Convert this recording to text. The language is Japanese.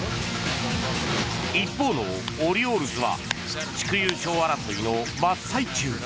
一方のオリオールズは地区優勝争いの真っ最中。